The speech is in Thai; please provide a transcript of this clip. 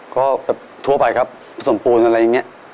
ก็แบบทั่วไปครับผสมปูนอะไรอย่างเงี้ย